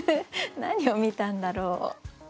何を見たんだろう。